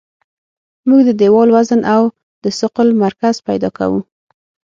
موږ د دیوال وزن او د ثقل مرکز پیدا کوو